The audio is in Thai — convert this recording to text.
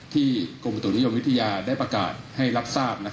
ที่กรุณศัพท์นิยมวิทยาได้ประกาศให้รับทราบ